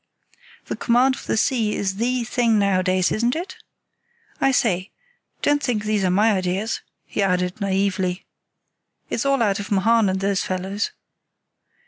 The command of the sea is the thing nowadays, isn't it? I say, don't think these are my ideas," he added, naïvely. "It's all out of Mahan and those fellows.